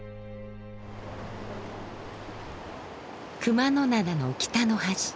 熊野灘の北の端